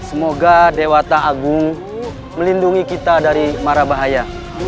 semoga dewata agung melindungi kita dari mara bahaya